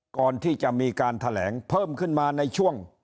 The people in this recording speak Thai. ก่อนที่จะมีการแถลงเพิ่มขึ้นมาในช่วง